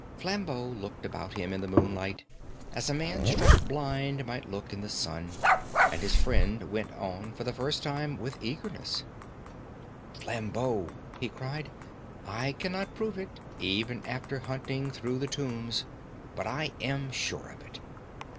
Flambeau looked about him in the moonlight, as a man struck blind might look in the sun; and his friend went on, for the first time with eagerness: "Flambeau," he cried, "I cannot prove it, even after hunting through the tombs. But I am sure of it.